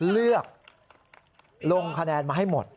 เลือกลงคะแนนมาให้หมด